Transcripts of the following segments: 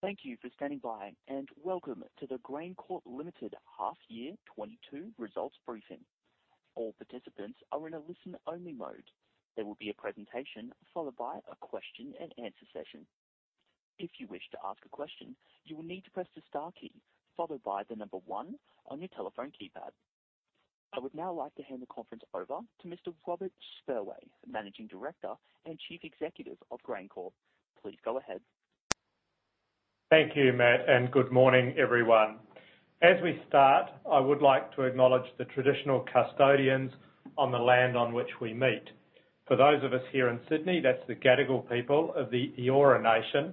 Thank you for standing by, and welcome to the GrainCorp Limited half-year 2022 results briefing. All participants are in a listen-only mode. There will be a presentation followed by a question and answer session. If you wish to ask a question, you will need to press the star key followed by the number one on your telephone keypad. I would now like to hand the conference over to Mr. Robert Spurway, Managing Director and Chief Executive of GrainCorp. Please go ahead. Thank you, Matt, and good morning, everyone. As we start, I would like to acknowledge the traditional custodians on the land on which we meet. For those of us here in Sydney, that's the Gadigal people of the Eora Nation.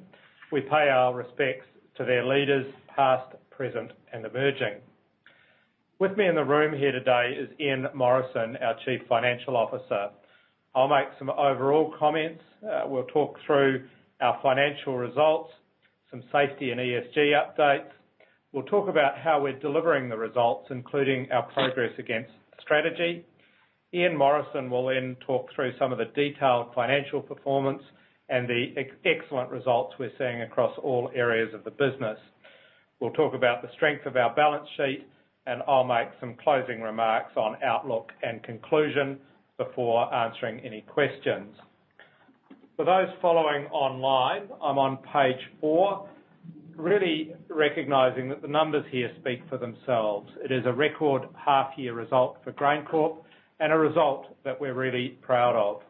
We pay our respects to their leaders, past, present, and emerging. With me in the room here today is Ian Morrison, our Chief Financial Officer. I'll make some overall comments. We'll talk through our financial results, some safety and ESG updates. We'll talk about how we're delivering the results, including our progress against strategy. Ian Morrison will then talk through some of the detailed financial performance and the excellent results we're seeing across all areas of the business. We'll talk about the strength of our balance sheet, and I'll make some closing remarks on outlook and conclusion before answering any questions. For those following online, I'm on page four, really recognizing that the numbers here speak for themselves. It is a record half-year result for GrainCorp and a result that we're really proud of.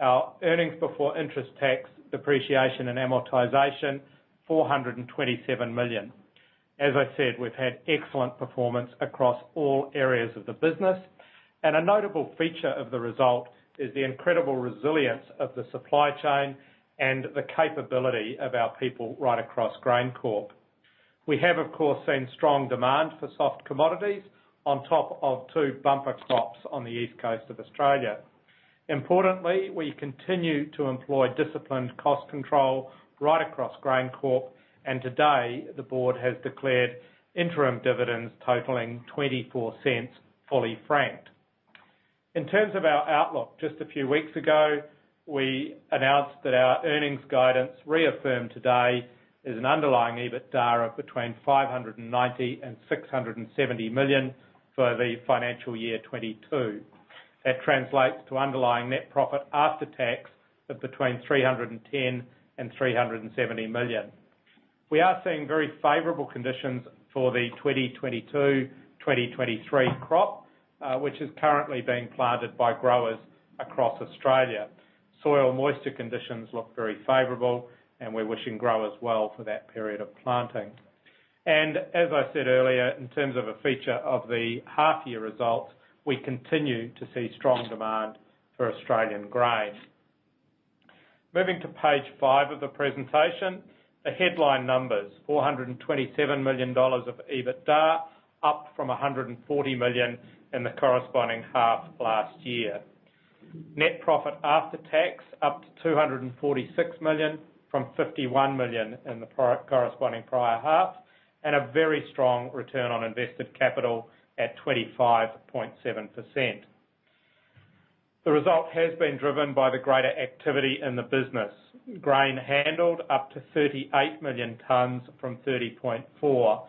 Our earnings before interest, tax, depreciation, and amortization: 427 million. As I said, we've had excellent performance across all areas of the business, and a notable feature of the result is the incredible resilience of the supply chain and the capability of our people right across GrainCorp. We have, of course, seen strong demand for soft commodities on top of two bumper crops on the East Coast of Australia. Importantly, we continue to employ disciplined cost control right across GrainCorp, and today the board has declared interim dividends totaling 0.24, fully franked. In terms of our outlook, just a few weeks ago, we announced that our earnings guidance reaffirmed today is an underlying EBITDA of between 590 million and 670 million for the financial year 2022. That translates to underlying net profit after tax of between 310 million and 370 million. We are seeing very favorable conditions for the 2022/2023 crop, which is currently being planted by growers across Australia. Soil moisture conditions look very favorable and we're wishing growers well for that period of planting. As I said earlier, in terms of a feature of the half year results, we continue to see strong demand for Australian grain. Moving to page five of the presentation, the headline numbers, 427 million dollars of EBITDA, up from 140 million in the corresponding half last year. Net profit after tax, up to 246 million from 51 million in the corresponding prior half, and a very strong return on invested capital at 25.7%. The result has been driven by the greater activity in the business. Grain handled up to 38 million tons from 30.4.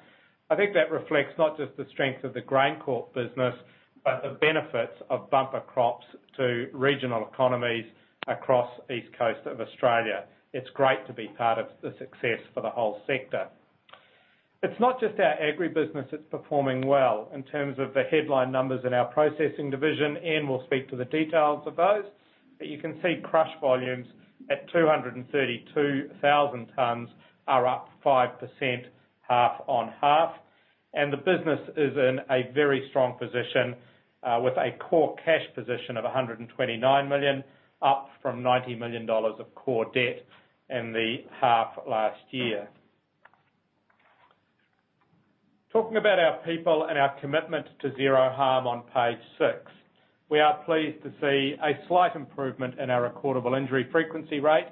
I think that reflects not just the strength of the GrainCorp business, but the benefits of bumper crops to regional economies across East Coast of Australia. It's great to be part of the success for the whole sector. It's not just our agri business that's performing well in terms of the headline numbers in our processing division. Ian will speak to the details of those. You can see crush volumes at 232,000 tons are up 5% half on half. The business is in a very strong position, with a core cash position of 129 million, up from 90 million dollars of core debt in the half last year. Talking about our people and our commitment to zero harm on page six. We are pleased to see a slight improvement in our recordable injury frequency rate,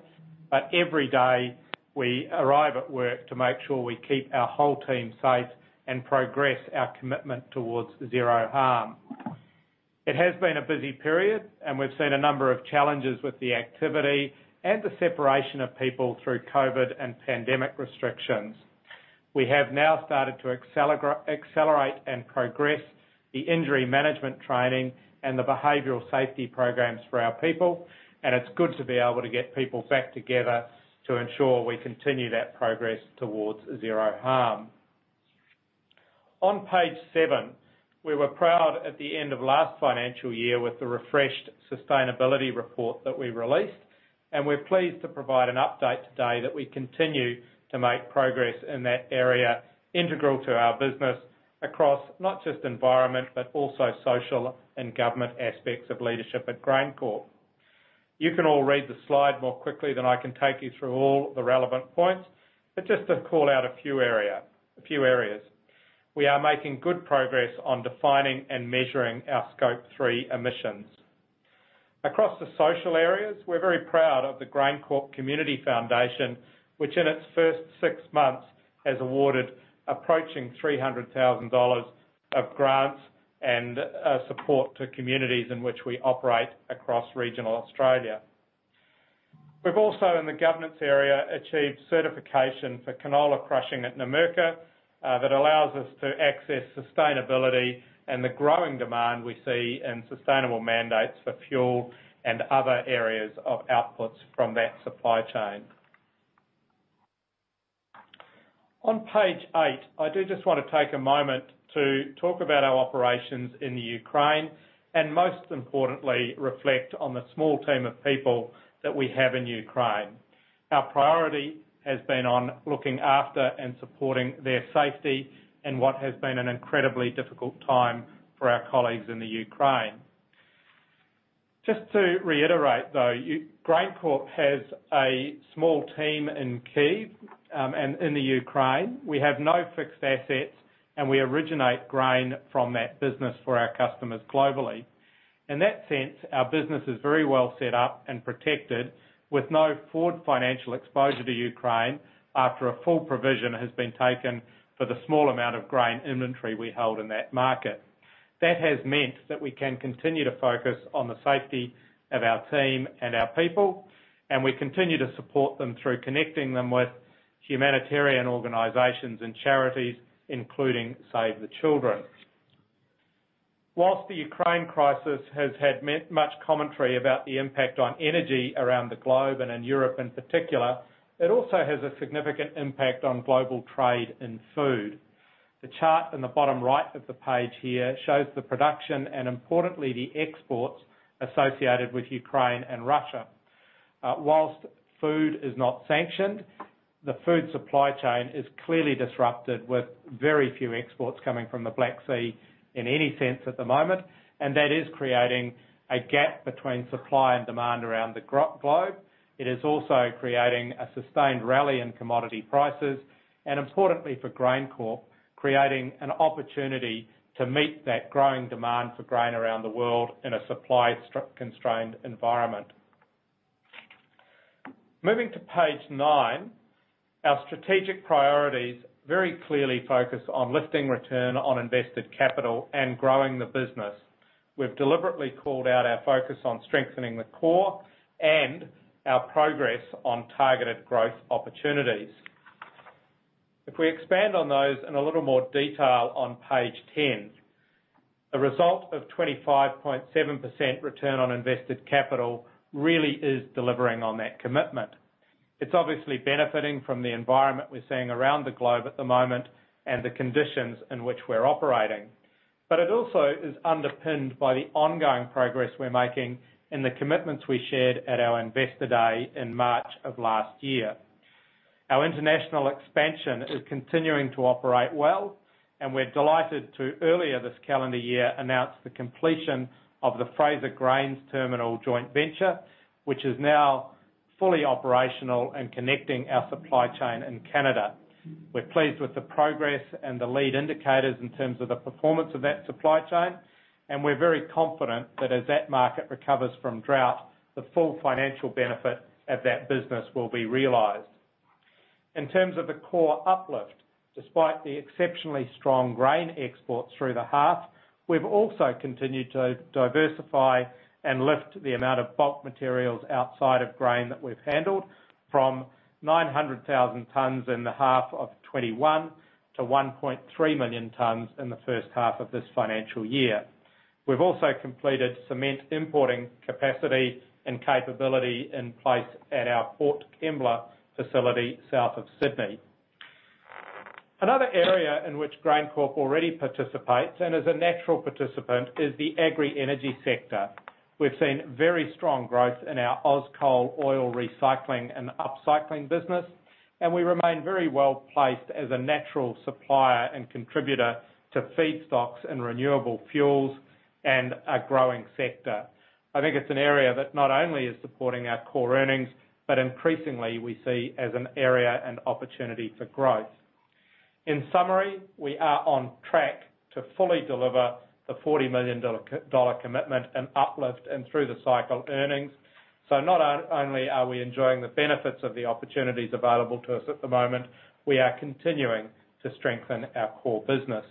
but every day we arrive at work to make sure we keep our whole team safe and progress our commitment towards zero harm. It has been a busy period, and we've seen a number of challenges with the activity and the separation of people through COVID and pandemic restrictions. We have now started to accelerate and progress the injury management training and the behavioral safety programs for our people, and it's good to be able to get people back together to ensure we continue that progress towards zero harm. On page seven, we were proud at the end of last financial year with the refreshed sustainability report that we released, and we're pleased to provide an update today that we continue to make progress in that area integral to our business across not just environment, but also social and governance aspects of leadership at GrainCorp. You can all read the slide more quickly than I can take you through all the relevant points, but just to call out a few areas. We are making good progress on defining and measuring our Scope 3 emissions. Across the social areas, we're very proud of the GrainCorp Community Foundation, which in its first six months has awarded approaching 300 thousand dollars of grants and support to communities in which we operate across regional Australia. We've also, in the governance area, achieved certification for canola crushing at Numurkah that allows us to access sustainability and the growing demand we see in sustainable mandates for fuel and other areas of outputs from that supply chain. On page eight, I do just want to take a moment to talk about our operations in Ukraine, and most importantly, reflect on the small team of people that we have in Ukraine. Our priority has been on looking after and supporting their safety in what has been an incredibly difficult time for our colleagues in Ukraine. Just to reiterate, though, GrainCorp has a small team in Kyiv and in Ukraine. We have no fixed assets, and we originate grain from that business for our customers globally. In that sense, our business is very well set up and protected with no forward financial exposure to Ukraine after a full provision has been taken for the small amount of grain inventory we hold in that market. That has meant that we can continue to focus on the safety of our team and our people, and we continue to support them through connecting them with humanitarian organizations and charities, including Save the Children. While the Ukraine crisis has had much commentary about the impact on energy around the globe and in Europe in particular, it also has a significant impact on global trade and food. The chart in the bottom right of the page here shows the production, and importantly, the exports associated with Ukraine and Russia. While food is not sanctioned, the food supply chain is clearly disrupted, with very few exports coming from the Black Sea in any sense at the moment, and that is creating a gap between supply and demand around the globe. It is also creating a sustained rally in commodity prices, and importantly for GrainCorp, creating an opportunity to meet that growing demand for grain around the world in a supply-constrained environment. Moving to Page 9, our strategic priorities very clearly focus on lifting return on invested capital and growing the business. We've deliberately called out our focus on strengthening the core and our progress on targeted growth opportunities. If we expand on those in a little more detail on Page 10, a result of 25.7% return on invested capital really is delivering on that commitment. It's obviously benefiting from the environment we're seeing around the globe at the moment and the conditions in which we're operating. It also is underpinned by the ongoing progress we're making and the commitments we shared at our Investor Day in March of last year. Our international expansion is continuing to operate well, and we're delighted to, earlier this calendar year, announce the completion of the Fraser Grain Terminal joint venture, which is now fully operational and connecting our supply chain in Canada. We're pleased with the progress and the lead indicators in terms of the performance of that supply chain, and we're very confident that as that market recovers from drought, the full financial benefit of that business will be realized. In terms of the core uplift, despite the exceptionally strong grain exports through the half, we've also continued to diversify and lift the amount of bulk materials outside of grain that we've handled from 900,000 tons in the half of 2021 to 1.3 million tons in the H1 of this financial year. We've also completed cement importing capacity and capability in place at our Port Kembla facility, south of Sydney. Another area in which GrainCorp already participates and is a natural participant is the agri energy sector. We've seen very strong growth in our Auscol oil recycling and upcycling business, and we remain very well placed as a natural supplier and contributor to feedstocks and renewable fuels in a growing sector. I think it's an area that not only is supporting our core earnings, but increasingly we see as an area and opportunity for growth. In summary, we are on track to fully deliver the 40 million dollar commitment and uplift and through-the-cycle earnings. Not only are we enjoying the benefits of the opportunities available to us at the moment, we are continuing to strengthen our core business.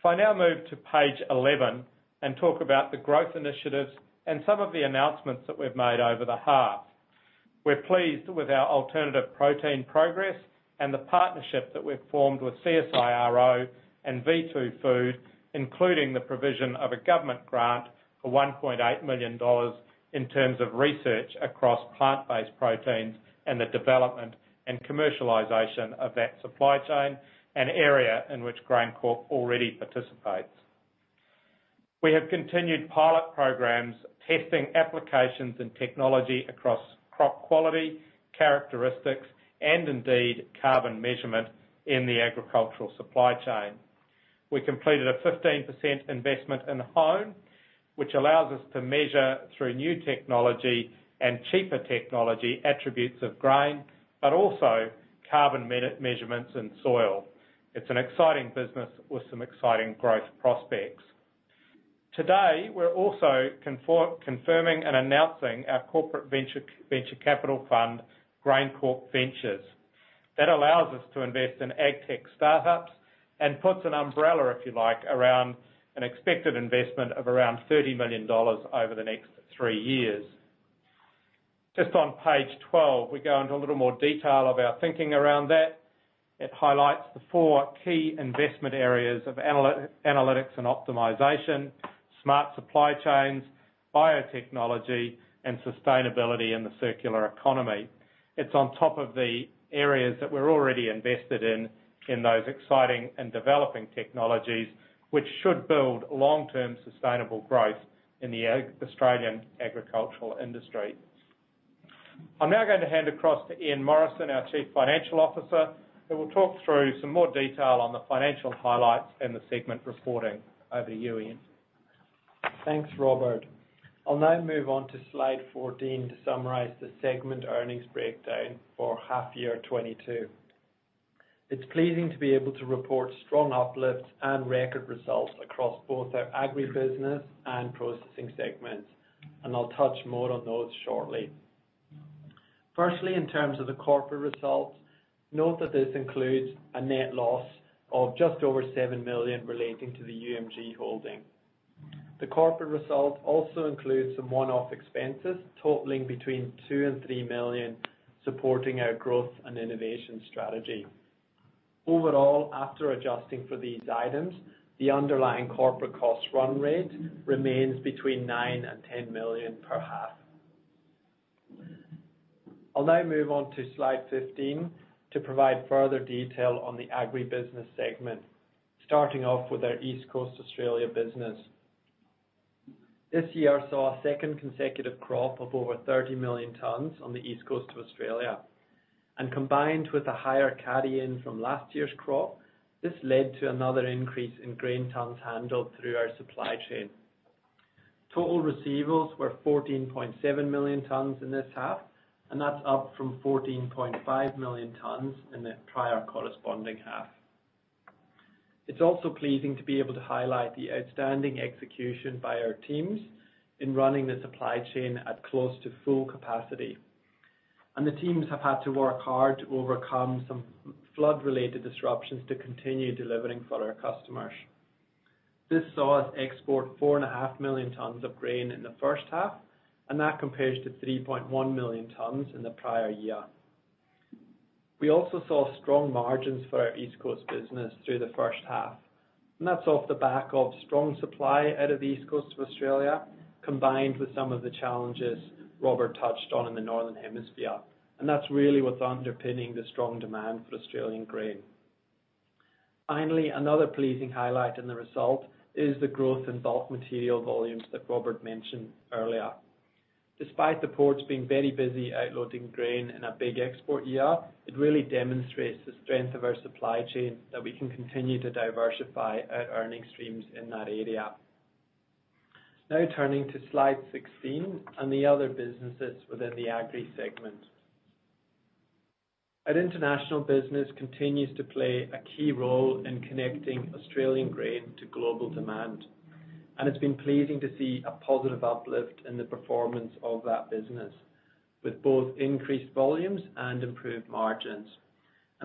If I now move to Page 11 and talk about the growth initiatives and some of the announcements that we've made over the half. We're pleased with our alternative protein progress and the partnership that we've formed with CSIRO and v2food, including the provision of a government grant for 1.8 million dollars in terms of research across plant-based proteins and the development and commercialization of that supply chain, an area in which GrainCorp already participates. We have continued pilot programs, testing applications and technology across crop quality, characteristics, and indeed, carbon measurement in the agricultural supply chain. We completed a 15% investment in Hone, which allows us to measure, through new technology and cheaper technology, attributes of grain, but also carbon measurements in soil. It's an exciting business with some exciting growth prospects. Today, we're also confirming and announcing our corporate venture capital fund, GrainCorp Ventures. That allows us to invest in ag tech startups and puts an umbrella, if you like, around an expected investment of around 30 million dollars over the next 3 years. Just on page 12, we go into a little more detail about thinking around that. It highlights the 4 key investment areas of analytics and optimization, smart supply chains, biotechnology, and sustainability in the circular economy. It's on top of the areas that we're already invested in in those exciting and developing technologies, which should build long-term sustainable growth in the Australian agricultural industry. I'm now going to hand across to Ian Morrison, our Chief Financial Officer, who will talk through some more detail on the financial highlights and the segment reporting. Over to you, Ian. Thanks, Robert. I'll now move on to slide 14 to summarize the segment earnings breakdown for half year 2022. It's pleasing to be able to report strong uplifts and record results across both our agribusiness and processing segments, and I'll touch more on those shortly. Firstly, in terms of the corporate results, note that this includes a net loss of just over 7 million relating to the UMG holding. The corporate result also includes some one-off expenses totaling between 2 million and 3 million, supporting our growth and innovation strategy. Overall, after adjusting for these items, the underlying corporate cost run rate remains between 9 and 10 million per half. I'll now move on to slide 15 to provide further detail on the agribusiness segment, starting off with our East Coast Australia business. This year saw a second consecutive crop of over 30 million tons on the East Coast of Australia, and combined with a higher carry-in from last year's crop, this led to another increase in grain tons handled through our supply chain. Total receivables were 14.7 million tons in this half, and that's up from 14.5 million tons in the prior corresponding half. It's also pleasing to be able to highlight the outstanding execution by our teams in running the supply chain at close to full capacity, and the teams have had to work hard to overcome some flood-related disruptions to continue delivering for our customers. This saw us export 4.5 million tons of grain in the H1, and that compares to 3.1 million tons in the prior year. We also saw strong margins for our East Coast business through the H1, and that's off the back of strong supply out of the East Coast of Australia, combined with some of the challenges Robert touched on in the Northern Hemisphere, and that's really what's underpinning the strong demand for Australian grain. Finally, another pleasing highlight in the result is the growth in bulk material volumes that Robert mentioned earlier. Despite the ports being very busy outloading grain in a big export year, it really demonstrates the strength of our supply chain that we can continue to diversify our earning streams in that area. Now turning to slide 16 and the other businesses within the agri segment. Our international business continues to play a key role in connecting Australian grain to global demand, and it's been pleasing to see a positive uplift in the performance of that business with both increased volumes and improved margins.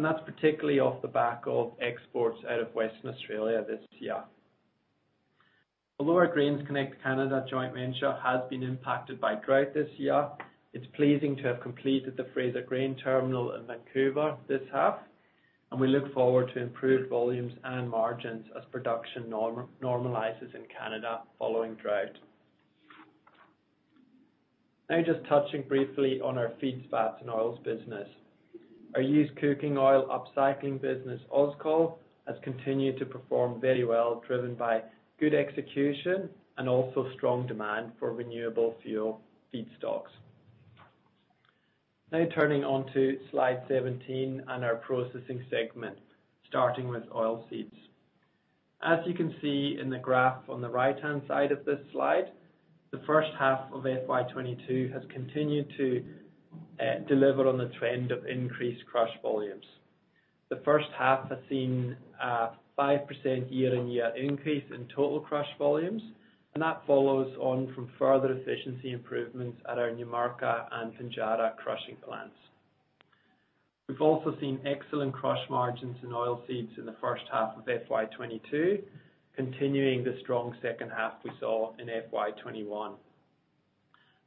That's particularly off the back of exports out of Western Australia this year. Although our GrainsConnect Canada joint venture has been impacted by drought this year, it's pleasing to have completed the Fraser Grain Terminal in Vancouver this half, and we look forward to improved volumes and margins as production normalizes in Canada following drought. Now just touching briefly on our feedstuffs and oils business. Our used cooking oil upcycling business, Auscol, has continued to perform very well, driven by good execution and also strong demand for renewable fuel feedstocks. Now turning onto slide 17 on our processing segment, starting with oilseeds. As you can see in the graph on the right-hand side of this slide, the H1 of FY 2022 has continued to deliver on the trend of increased crush volumes. The H1 has seen a 5% year-on-year increase in total crush volumes, and that follows on from further efficiency improvements at our Numurkah and Pinjarra crushing plants. We've also seen excellent crush margins in oilseeds in the H1 of FY 2022, continuing the strong H2 we saw in FY 2021.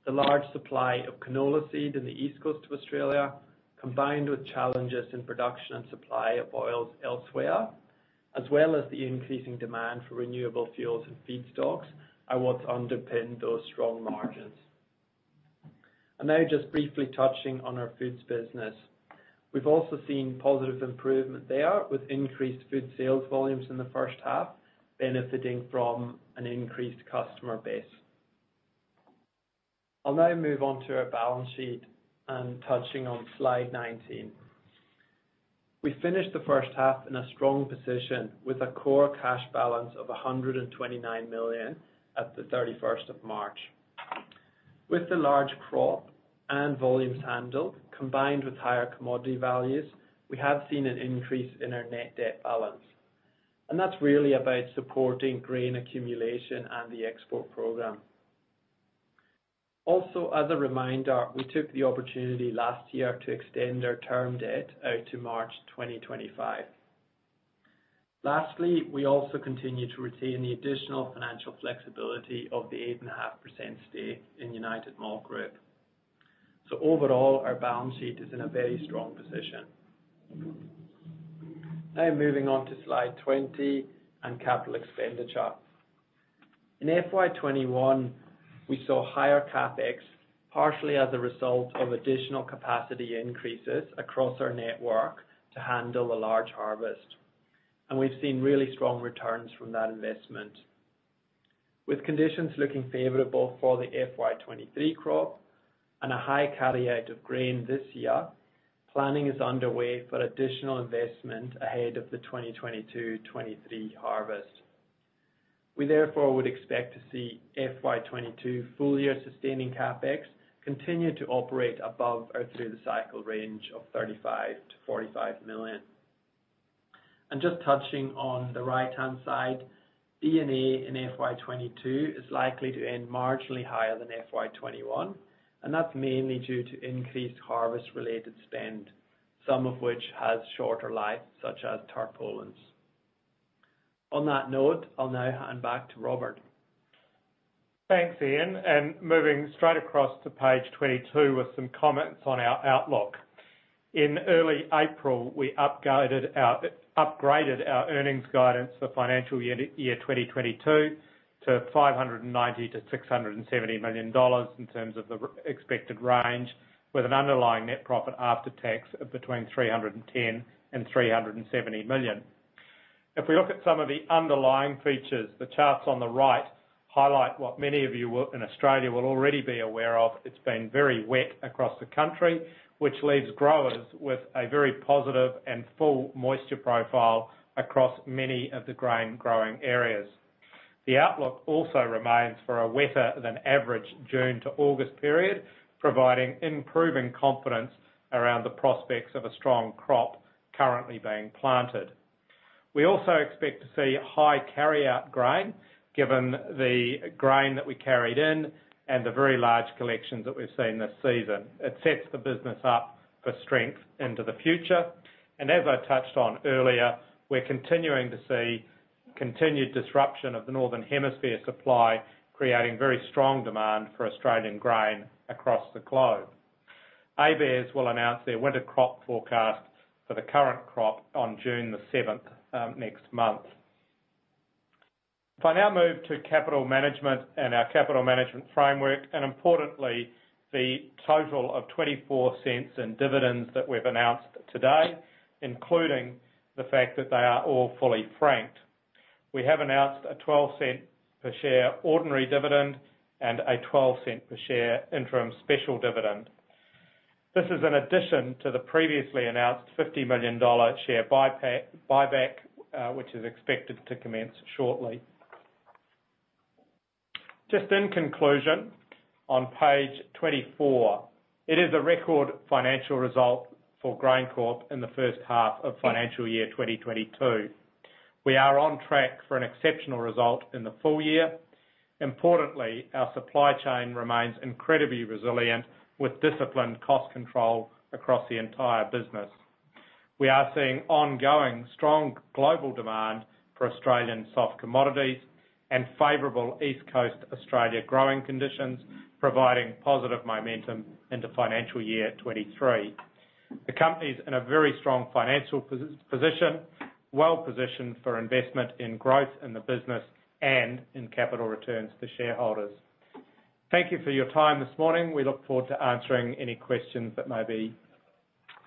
The large supply of canola seed in the East Coast of Australia, combined with challenges in production and supply of oils elsewhere, as well as the increasing demand for renewable fuels and feedstocks, are what's underpinned those strong margins. Now just briefly touching on our foods business. We've also seen positive improvement there with increased food sales volumes in the H1, benefiting from an increased customer base. I'll now move on to our balance sheet and touching on slide 19. We finished the H1 in a strong position with a core cash balance of 129 million at 31 March. With the large crop and volumes handled, combined with higher commodity values, we have seen an increase in our net debt balance. That's really about supporting grain accumulation and the export program. Also, as a reminder, we took the opportunity last year to extend our term debt out to March 2025. Lastly, we also continue to retain the additional financial flexibility of the 8.5% stake in United Malt Group. Overall, our balance sheet is in a very strong position. Now moving on to slide 20 and capital expenditure. In FY 21, we saw higher CapEx, partially as a result of additional capacity increases across our network to handle the large harvest, and we've seen really strong returns from that investment. With conditions looking favorable for the FY 23 crop and a high carryout of grain this year, planning is underway for additional investment ahead of the 2022-2023 harvest. We therefore would expect to see FY 22 full year sustaining CapEx continue to operate above or through the cycle range of 35-45 million. Just touching on the right-hand side, D&A in FY 22 is likely to end marginally higher than FY 21, and that's mainly due to increased harvest-related spend, some of which has shorter life, such as tarpaulins. On that note, I'll now hand back to Robert. Thanks, Ian, and moving straight across to page 22 with some comments on our outlook. In early April, we upgraded our earnings guidance for financial year 2022 to 590-670 million dollars in terms of the expected range, with an underlying net profit after tax of between 310 million and 370 million. If we look at some of the underlying features, the charts on the right highlight what many of you in Australia will already be aware of. It's been very wet across the country, which leaves growers with a very positive and full moisture profile across many of the grain-growing areas. The outlook also remains for a wetter than average June to August period, providing improving confidence around the prospects of a strong crop currently being planted. We also expect to see high carryout grain, given the grain that we carried in and the very large collections that we've seen this season. It sets the business up for strength into the future. As I touched on earlier, we're continuing to see continued disruption of the Northern Hemisphere supply, creating very strong demand for Australian grain across the globe. ABARES will announce their winter crop forecast for the current crop on June the seventh, next month. If I now move to capital management and our capital management framework, and importantly, the total of 0.24 in dividends that we've announced today, including the fact that they are all fully franked. We have announced a 0.12 per share ordinary dividend and a 0.12 per share interim special dividend. This is an addition to the previously announced 50 million dollar share buyback, which is expected to commence shortly. Just in conclusion, on page 24, it is a record financial result for GrainCorp in the first half of financial year 2022. We are on track for an exceptional result in the full year. Importantly, our supply chain remains incredibly resilient, with disciplined cost control across the entire business. We are seeing ongoing strong global demand for Australian soft commodities and favorable East Coast Australia growing conditions, providing positive momentum into financial year 2023. The company is in a very strong financial position, well-positioned for investment in growth in the business and in capital returns to shareholders. Thank you for your time this morning. We look forward to answering any questions that may be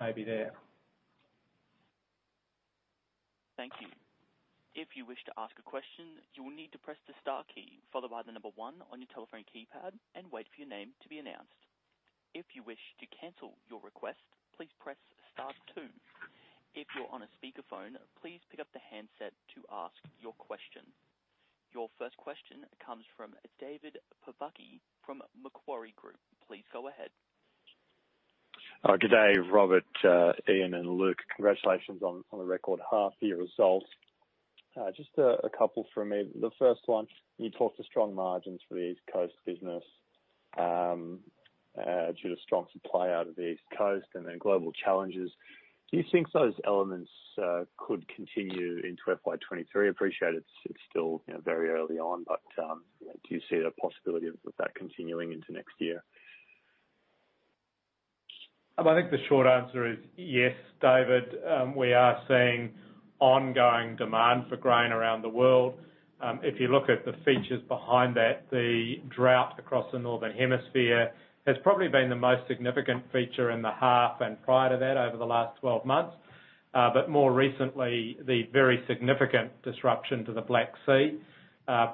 there. Thank you. If you wish to ask a question, you will need to press the star key followed by the number one on your telephone keypad and wait for your name to be announced. If you wish to cancel your request, please press star two. If you're on a speakerphone, please pick up the handset to ask your question. Your first question comes from David Pobucky from Macquarie Group. Please go ahead. Good day, Robert, Ian and Luke. Congratulations on the record half year results. Just a couple from me. The first one, you talked to strong margins for the East Coast business due to strong supply out of the East Coast and then global challenges. Do you think those elements could continue into FY 2023? I appreciate it's still very early on, but do you see the possibility of that continuing into next year? I think the short answer is yes, David. We are seeing ongoing demand for grain around the world. If you look at the features behind that, the drought across the Northern Hemisphere has probably been the most significant feature in the half and prior to that over the last 12 months, but more recently, the very significant disruption to the Black Sea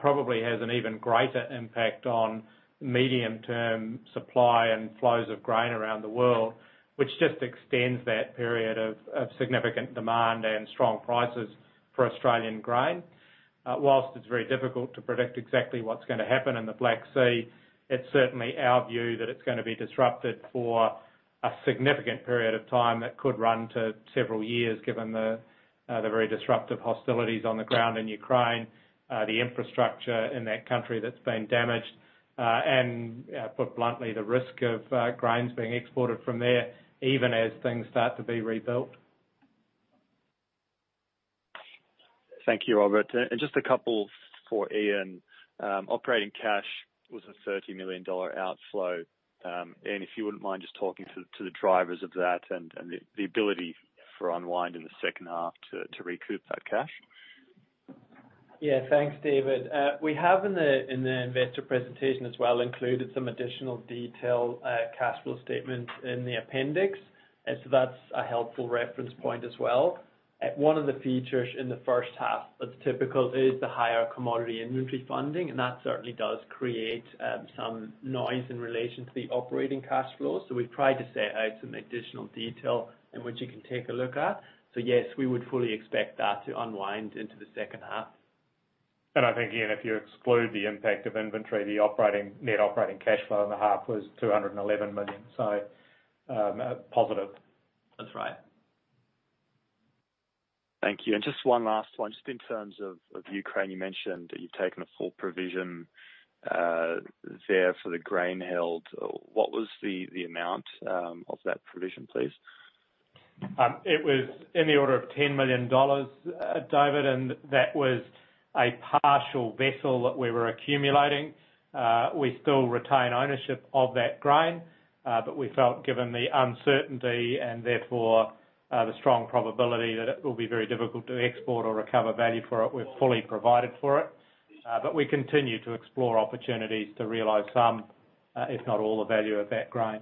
probably has an even greater impact on medium-term supply and flows of grain around the world, which just extends that period of significant demand and strong prices for Australian grain. Whilst it's very difficult to predict exactly what's gonna happen in the Black Sea, it's certainly our view that it's gonna be disrupted for a significant period of time that could run to several years, given the very disruptive hostilities on the ground in Ukraine, the infrastructure in that country that's been damaged, and, put bluntly, the risk of grains being exported from there, even as things start to be rebuilt. Thank you, Robert. Just a couple for Ian. Operating cash was an 30 million dollar outflow. Ian, if you wouldn't mind just talking to the drivers of that and the ability to unwind in the H2 to recoup that cash. Yeah. Thanks, David. We have in the investor presentation as well included some additional detail, cash flow statements in the appendix, and so that's a helpful reference point as well. One of the features in the H1 that's typical is the higher commodity inventory funding, and that certainly does create some noise in relation to the operating cash flows. We've tried to set out some additional detail in which you can take a look at. Yes, we would fully expect that to unwind into the H2. I think, Ian, if you exclude the impact of inventory, the operating, net operating cash flow in the half was 211 million. Positive. That's right. Thank you. Just one last one. Just in terms of Ukraine, you mentioned that you've taken a full provision there for the grain held. What was the amount of that provision, please? It was in the order of 10 million dollars, David, and that was a partial vessel that we were accumulating. We still retain ownership of that grain, but we felt, given the uncertainty, and therefore, the strong probability that it will be very difficult to export or recover value for it, we've fully provided for it. But we continue to explore opportunities to realize some, if not all the value of that grain.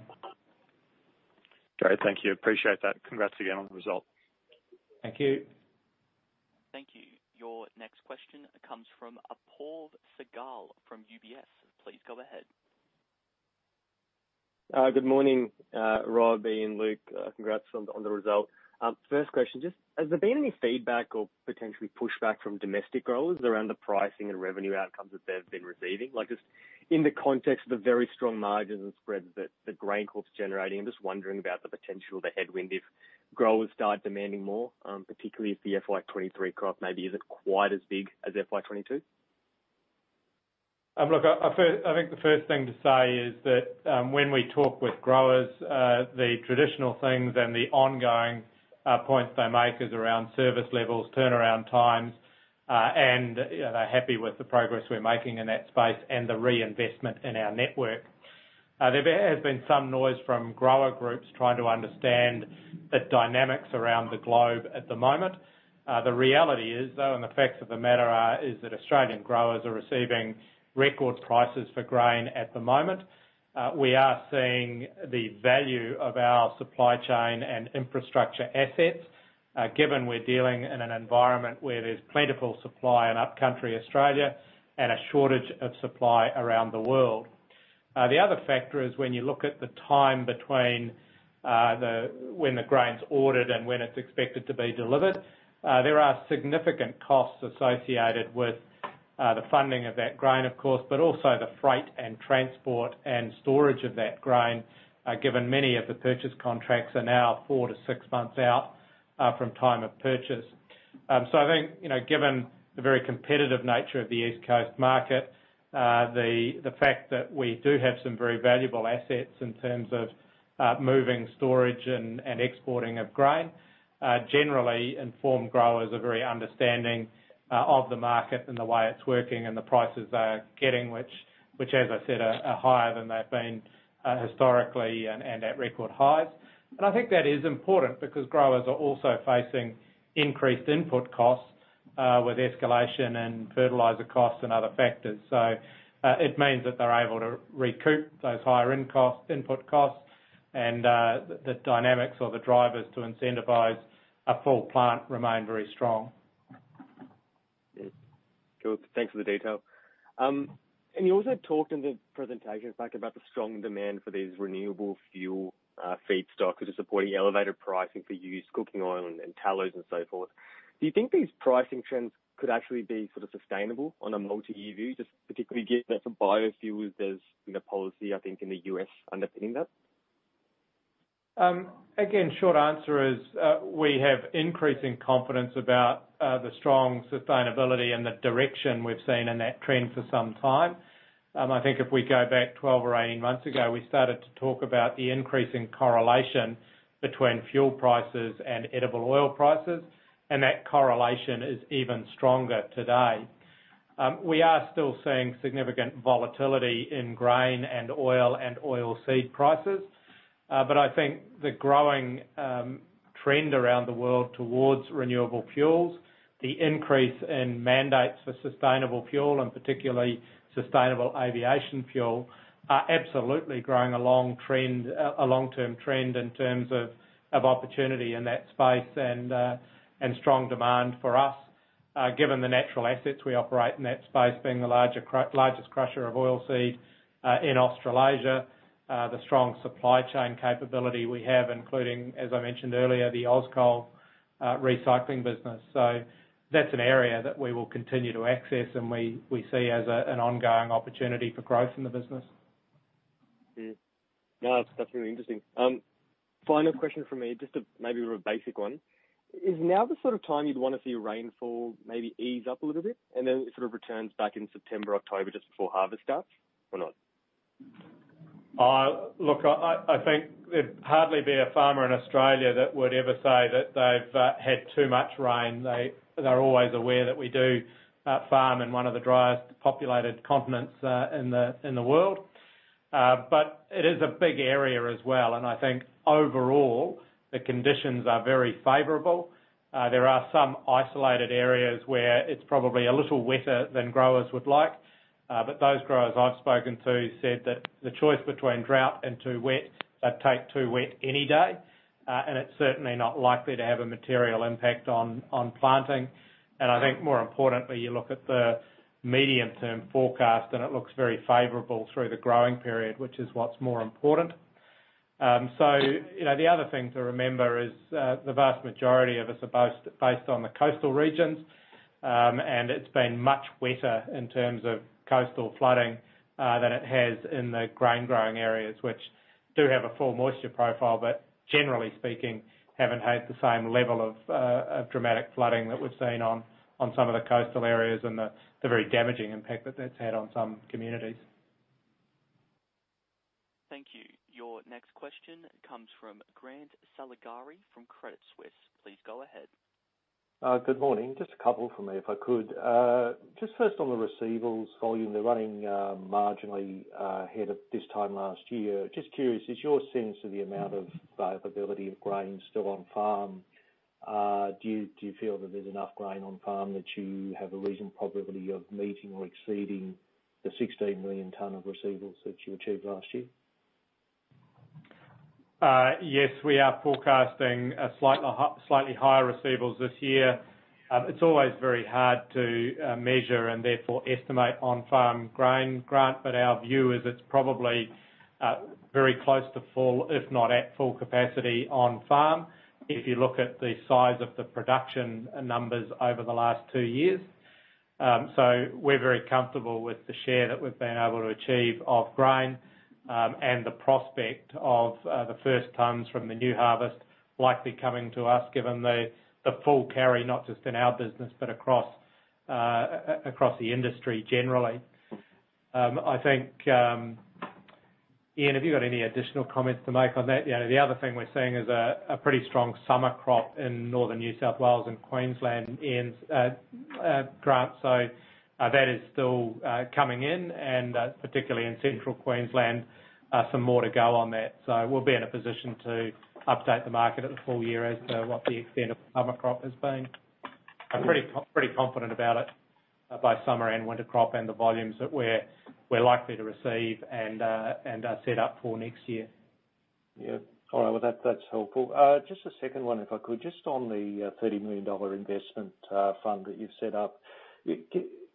Great. Thank you. Appreciate that. Congrats again on the result. Thank you. Thank you. Your next question comes from Apoorv Sehgal from UBS. Please go ahead. Good morning, Rob, Ian, Luke. Congrats on the result. First question, just has there been any feedback or potentially pushback from domestic growers around the pricing and revenue outcomes that they've been receiving? Like, just in the context of the very strong margins and spreads that the GrainCorp's generating, I'm just wondering about the potential, the headwind, if growers start demanding more, particularly if the FY 2023 crop maybe isn't quite as big as FY 2022. Look, I think the first thing to say is that, when we talk with growers, the traditional things and the ongoing points they make is around service levels, turnaround times, and they're happy with the progress we're making in that space and the reinvestment in our network. There has been some noise from grower groups trying to understand the dynamics around the globe at the moment. The reality is though, and the facts of the matter are, is that Australian growers are receiving record prices for grain at the moment. We are seeing the value of our supply chain and infrastructure assets, given we're dealing in an environment where there's plentiful supply in upcountry Australia, and a shortage of supply around the world. The other factor is when you look at the time between when the grain's ordered and when it's expected to be delivered, there are significant costs associated with the funding of that grain, of course, but also the freight and transport and storage of that grain, given many of the purchase contracts are now 4-6 months out from time of purchase. I think given the very competitive nature of the East Coast market, the fact that we do have some very valuable assets in terms of moving storage and exporting of grain, generally informed growers are very understanding of the market and the way it's working and the prices they are getting, which as I said are higher than they've been historically and at record highs. I think that is important because growers are also facing increased input costs, with escalation and fertilizer costs and other factors. It means that they're able to recoup those higher end costs, input costs and the dynamics or the drivers to incentivize a full plant remain very strong. Yes. Cool. Thanks for the detail. You also talked in the presentation, in fact, about the strong demand for these renewable fuel feedstock, which is supporting elevated pricing for used cooking oil and tallow and so forth. Do you think these pricing trends could actually be sort of sustainable on a multi-year view, just particularly given that for biofuels, there's been a policy, I think, in the U.S. underpinning that? Again, short answer is, we have increasing confidence about the strong sustainability and the direction we've seen in that trend for some time. I think if we go back 12 or 18 months ago, we started to talk about the increase in correlation between fuel prices and edible oil prices, and that correlation is even stronger today. We are still seeing significant volatility in grain and oil and oilseed prices. I think the growing trend around the world towards renewable fuels, the increase in mandates for sustainable fuel, and particularly sustainable aviation fuel, are absolutely growing a long trend, a long-term trend in terms of opportunity in that space and strong demand for us. Given the natural assets we operate in that space, being the largest crusher of oil seed in Australasia, the strong supply chain capability we have, including, as I mentioned earlier, the Auscol recycling business. That's an area that we will continue to access, and we see as an ongoing opportunity for growth in the business. Yeah. No, that's definitely interesting. Final question from me, just maybe a basic one. Is now the sort of time you'd wanna see rainfall maybe ease up a little bit, and then it sort of returns back in September, October just before harvest starts or not? Look, I think there'd hardly be a farmer in Australia that would ever say that they've had too much rain. They're always aware that we do farm in one of the driest populated continents in the world. It is a big area as well, and I think overall the conditions are very favorable. There are some isolated areas where it's probably a little wetter than growers would like. Those growers I've spoken to said that the choice between drought and too wet, they'd take too wet any day. It's certainly not likely to have a material impact on planting. I think more importantly, you look at the medium term forecast, and it looks very favorable through the growing period, which is what's more important. You know, the other thing to remember is, the vast majority of us are coast-based on the coastal regions. It's been much wetter in terms of coastal flooding than it has in the grain growing areas, which do have a full moisture profile. Generally speaking, haven't had the same level of dramatic flooding that we've seen on some of the coastal areas and the very damaging impact that that's had on some communities. Thank you. Your next question comes from Grant Saligari from Credit Suisse. Please go ahead. Good morning. Just a couple from me, if I could. Just first on the receivables volume. They're running marginally ahead of this time last year. Just curious, is your sense of the amount of availability of grain still on farm? Do you feel that there's enough grain on farm that you have a reasonable probability of meeting or exceeding the 16 million tons of receivables that you achieved last year? Yes, we are forecasting a slightly higher receivables this year. It's always very hard to measure and therefore estimate on-farm grain, Grant, but our view is it's probably very close to full, if not at full capacity on farm, if you look at the size of the production numbers over the last two years. We're very comfortable with the share that we've been able to achieve of grain, and the prospect of the first tons from the new harvest likely coming to us, given the full carry, not just in our business, but across the industry generally. I think, Ian, have you got any additional comments to make on that? You know, the other thing we're seeing is a pretty strong summer crop in northern New South Wales and Queensland, Ian's, Grant. That is still coming in and, particularly in Central Queensland, some more to go on that. We'll be in a position to update the market at the full year as to what the extent of the summer crop has been. I'm pretty confident about it, both summer and winter crop and the volumes that we're likely to receive and are set up for next year. Yeah. All right. Well, that's helpful. Just a second one, if I could, just on the 30 million dollar investment fund that you've set up.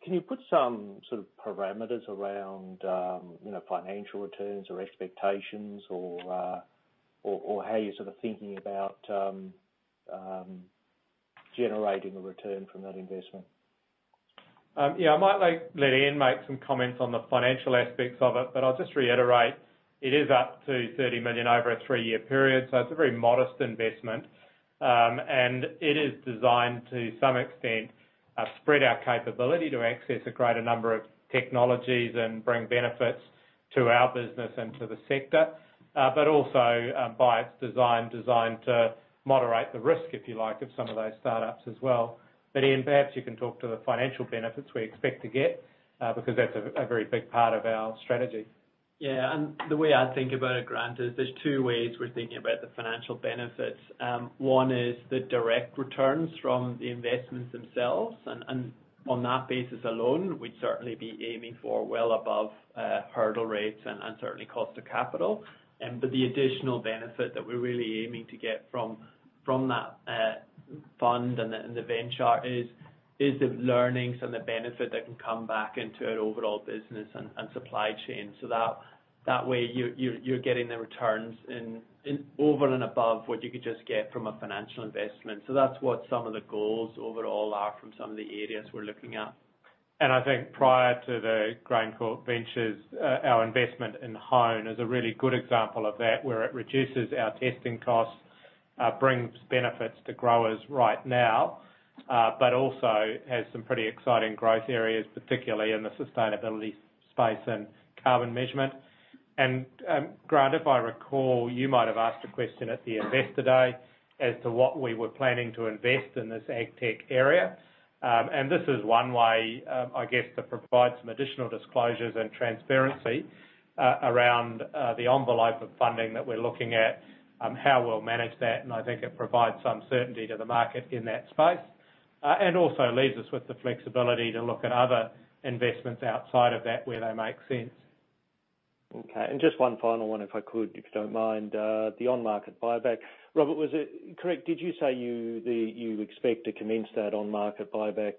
Can you put some sort of parameters around financial returns or expectations or how you're sort of thinking about generating a return from that investment? Yeah, I might let Ian make some comments on the financial aspects of it, but I'll just reiterate, it is up to 30 million over a three-year period, so it's a very modest investment. It is designed to some extent, spread our capability to access a greater number of technologies and bring benefits to our business and to the sector. Also, by its design, designed to moderate the risk, if you like, of some of those startups as well. Ian, perhaps you can talk to the financial benefits we expect to get, because that's a very big part of our strategy. Yeah. The way I think about it, Grant, is there's two ways we're thinking about the financial benefits. One is the direct returns from the investments themselves, and on that basis alone, we'd certainly be aiming for well above hurdle rates and certainly cost of capital. But the additional benefit that we're really aiming to get from that fund and the venture is the learnings and the benefit that can come back into our overall business and supply chain. That way you're getting the returns in over and above what you could just get from a financial investment. That's what some of the goals overall are from some of the areas we're looking at. I think prior to the GrainCorp Ventures, our investment in Hone is a really good example of that, where it reduces our testing costs, brings benefits to growers right now, but also has some pretty exciting growth areas, particularly in the sustainability space and carbon measurement. Grant, if I recall, you might have asked a question at the investor day as to what we were planning to invest in this ag tech area. This is one way, I guess, to provide some additional disclosures and transparency, around the envelope of funding that we're looking at, how we'll manage that, and I think it provides some certainty to the market in that space. Also leaves us with the flexibility to look at other investments outside of that where they make sense. Okay. Just one final one, if I could, if you don't mind, the on-market buyback. Robert, was it correct? Did you say you expect to commence that on-market buyback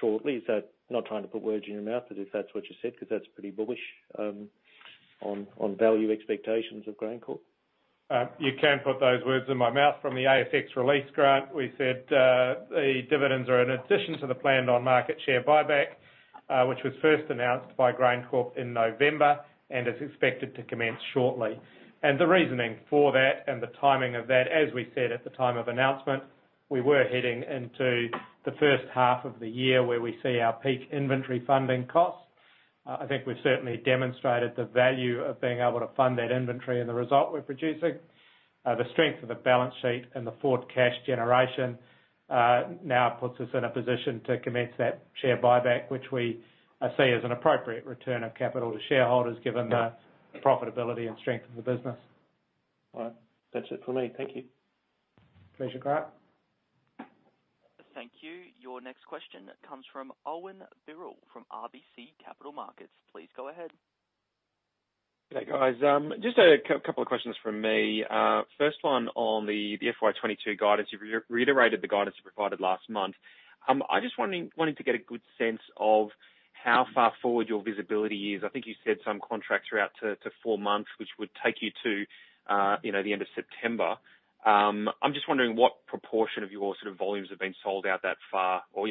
shortly? Is that not trying to put words in your mouth, but if that's what you said, 'cause that's pretty bullish on value expectations of GrainCorp. You can put those words in my mouth. From the ASX release, Grant, we said, the dividends are in addition to the planned on-market share buyback, which was first announced by GrainCorp in November and is expected to commence shortly. The reasoning for that and the timing of that, as we said at the time of announcement, we were heading into the H1 of the year where we see our peak inventory funding costs. I think we've certainly demonstrated the value of being able to fund that inventory and the result we're producing. The strength of the balance sheet and the forward cash generation now puts us in a position to commence that share buyback, which we, I see as an appropriate return of capital to shareholders, given the profitability and strength of the business. All right. That's it for me. Thank you. Pleasure, Grant. Thank you. Your next question comes from Owen Birrell from RBC Capital Markets. Please go ahead. Good day, guys. Just a couple of questions from me. First one on the FY 22 guidance. You've reiterated the guidance you provided last month. I just wanting to get a good sense of how far forward your visibility is. I think you said some contracts are out to four months, which would take you to the end of September. I'm just wondering what proportion of your sort of volumes have been sold out that far, or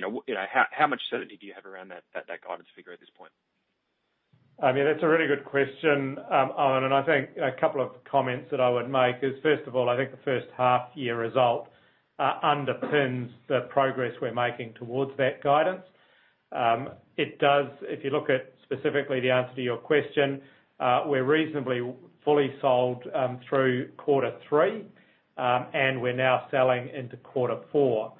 how much certainty do you have around that guidance figure at this point? I mean, that's a really good question, Owen, and I think a couple of comments that I would make is, first of all, I think the H1 year result underpins the progress we're making towards that guidance. If you look at specifically the answer to your question, we're reasonably fully sold through Q3, and we're now selling into Q4.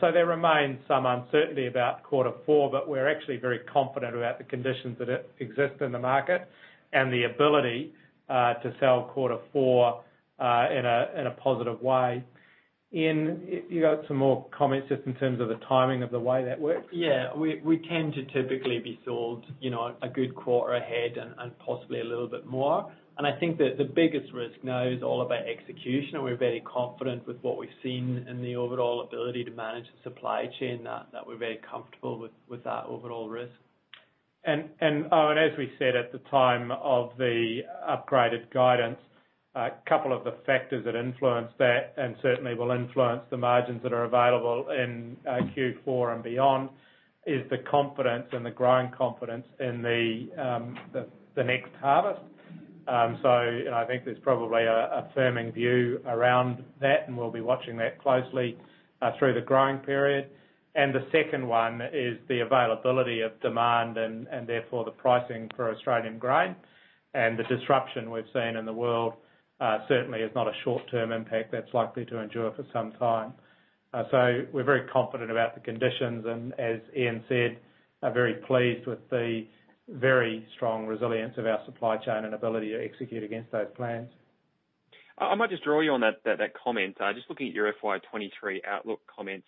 So there remains some uncertainty about Q4, but we're actually very confident about the conditions that exist in the market and the ability to sell Q4 in a positive way. Ian, you got some more comments just in terms of the timing of the way that works? Yeah. We tend to typically be sold a good quarter ahead and possibly a little bit more. I think that the biggest risk now is all about execution, and we're very confident with what we've seen in the overall ability to manage the supply chain, that we're very comfortable with that overall risk. Owen, as we said at the time of the upgraded guidance, a couple of the factors that influence that and certainly will influence the margins that are available in Q4 and beyond is the confidence and the growing confidence in the next harvest. I think there's probably a firming view around that, and we'll be watching that closely through the growing period. The second one is the availability of demand and therefore the pricing for Australian grain. The disruption we've seen in the world certainly is not a short-term impact that's likely to endure for some time. We're very confident about the conditions and as Ian said, are very pleased with the very strong resilience of our supply chain and ability to execute against those plans. I might just draw you on that comment. Just looking at your FY 2023 outlook comments,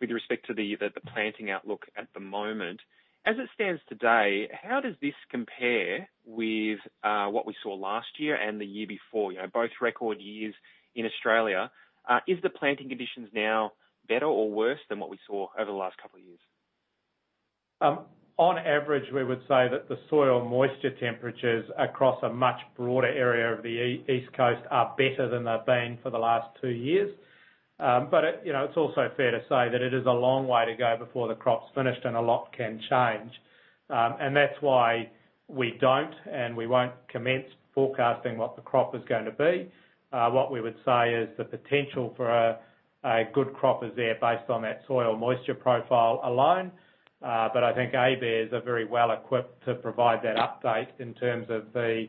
with respect to the planting outlook at the moment. As it stands today, how does this compare with what we saw last year and the year before? You know, both record years in Australia. Is the planting conditions now better or worse than what we saw over the last couple of years? On average, we would say that the soil moisture temperatures across a much broader area of the East Coast are better than they've been for the last two years. It it's also fair to say that it is a long way to go before the crop's finished and a lot can change. That's why we don't, and we won't commence forecasting what the crop is gonna be. What we would say is the potential for a good crop is there based on that soil moisture profile alone. I think ABARES are very well equipped to provide that update in terms of the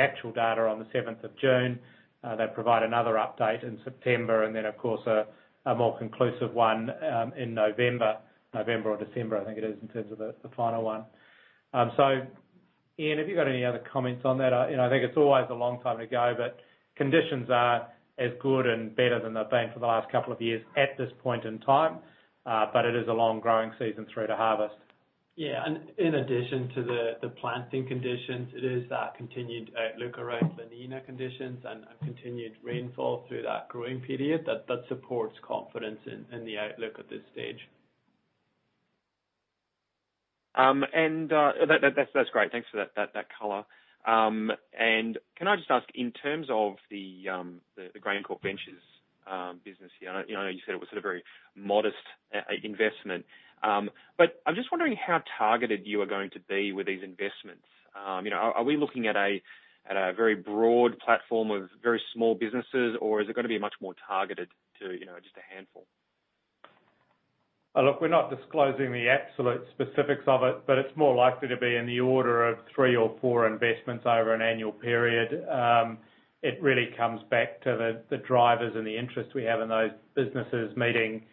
actual data on the seventh of June. They'll provide another update in September and then of course a more conclusive one in November or December, I think it is, in terms of the final one. Ian, have you got any other comments on that? You know, I think it's a long time to go, but conditions are as good and better than they've been for the last couple of years at this point in time. It is a long growing season through to harvest. In addition to the planting conditions, it is that continued look around La Niña conditions and continued rainfall through that growing period that supports confidence in the outlook at this stage. That's great. Thanks for that color. Can I just ask, in terms of the GrainCorp Ventures business you said it was a very modest investment. I'm just wondering how targeted you are going to be with these investments. You know, are we looking at a very broad platform of very small businesses, or is it gonna be much more targeted to just a handful? Look, we're not disclosing the absolute specifics of it, but it's more likely to be in the order of 3 or 4 investments over an annual period. It really comes back to the drivers and the interest we have in those businesses meeting the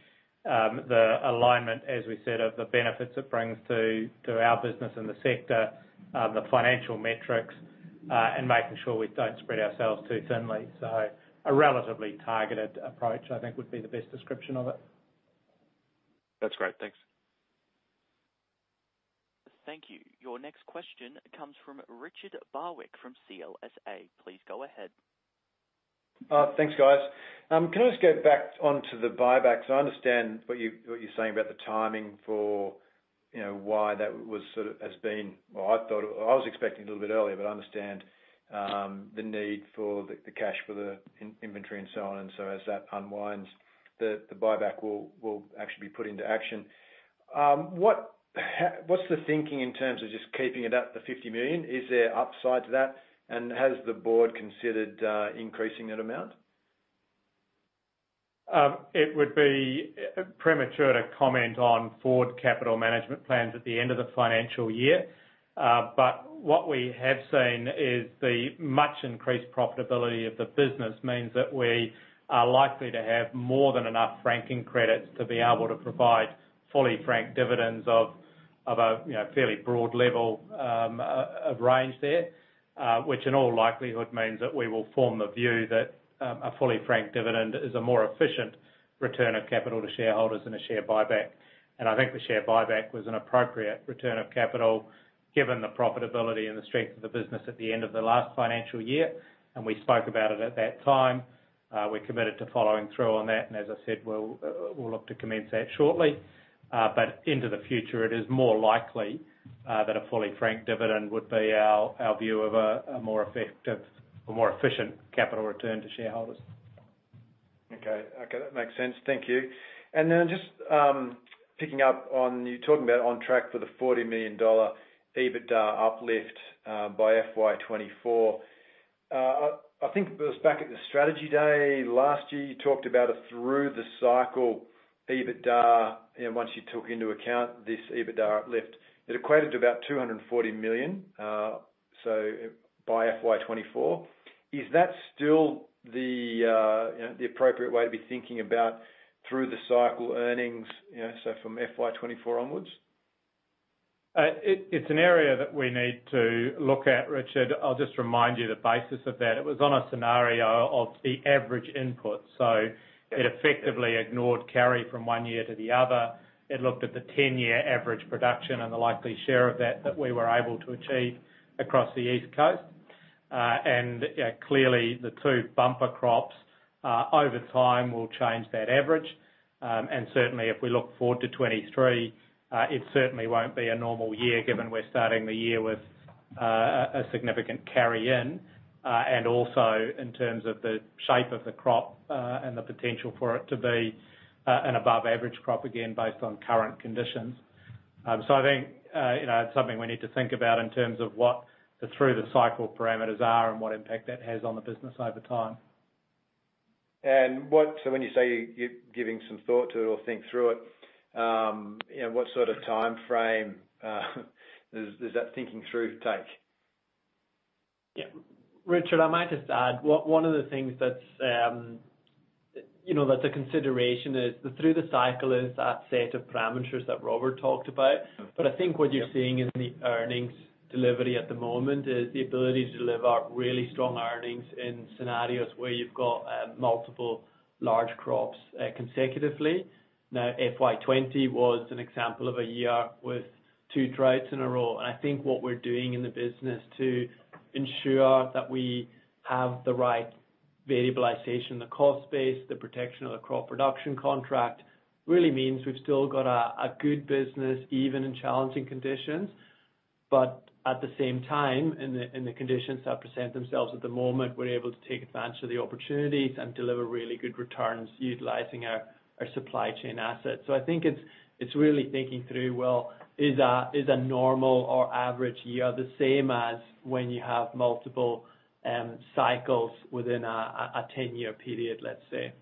alignment, as we said, of the benefits it brings to our business and the sector, the financial metrics, and making sure we don't spread ourselves too thinly. A relatively targeted approach, I think, would be the best description of it. That's great. Thanks. Thank you. Your next question comes from Richard Barwick from CLSA. Please go ahead. Thanks, guys. Can I just get back onto the buybacks? I understand what you're saying about the timing for why that has been. Well, I was expecting it a little bit earlier, but I understand the need for the cash for the in inventory and so on. As that unwinds, the buyback will actually be put into action. What's the thinking in terms of just keeping it at 50 million? Is there upside to that? Has the board considered increasing that amount? It would be premature to comment on forward capital management plans at the end of the financial year. What we have seen is the much increased profitability of the business means that we are likely to have more than enough franking credits to be able to provide fully franked dividends of a you know fairly broad level of range there. Which in all likelihood means that we will form the view that a fully franked dividend is a more efficient return of capital to shareholders than a share buyback. I think the share buyback was an appropriate return of capital, given the profitability and the strength of the business at the end of the last financial year, and we spoke about it at that time. We're committed to following through on that, and as I said, we'll look to commence that shortly. Into the future, it is more likely that a fully franked dividend would be our view of a more effective or more efficient capital return to shareholders. Okay. Okay, that makes sense. Thank you. Then just picking up on you talking about on track for the 40 million dollar EBITDA uplift by FY 2024. I think it was back at the strategy day last year, you talked about a through-the-cycle EBITDA once you took into account this EBITDA uplift. It equated to about 240 million, so by FY 2024. Is that still the you know, the appropriate way to be thinking about through-the-cycle earnings so from FY 2024 onwards? It's an area that we need to look at, Richard. I'll just remind you the basis of that. It was on a scenario of the average input. It effectively ignored carry from one year to the other. It looked at the ten-year average production and the likely share of that that we were able to achieve across the East Coast. You know, clearly the two bumper crops over time will change that average. Certainly if we look forward to 2023, it certainly won't be a normal year, given we're starting the year with a significant carry-in, and also in terms of the shape of the crop, and the potential for it to be an above average crop, again, based on current conditions. I think it's something we need to think about in terms of what the through-the-cycle parameters are and what impact that has on the business over time. When you say you're giving some thought to it or think through it what sort of timeframe does that thinking through take? Yeah. Richard, I might just add, one of the things that's that's a consideration is the through-the-cycle is that set of parameters that Robert talked about. Mm-hmm. I think what you're seeing in the earnings delivery at the moment is the ability to deliver really strong earnings in scenarios where you've got multiple large crops consecutively. Now, FY 2020 was an example of a year with two droughts in a row. I think what we're doing in the business to ensure that we have the right variabilization, the cost base, the protection of the Crop Production Contract, really means we've still got a good business, even in challenging conditions. At the same time, in the conditions that present themselves at the moment, we're able to take advantage of the opportunities and deliver really good returns utilizing our supply chain assets. I think it's really thinking through, well, is a normal or average year the same as when you have multiple cycles within a ten-year period, let's say?